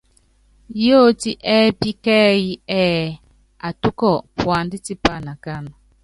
Yóótí ɛ́ɛ́pí kɛ́ɛ́yí ɛ́ɛ́: Atúkɔ, puandá tipá anakáánɛ́.